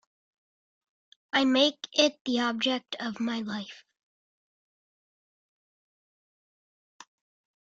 I make it the object of my life.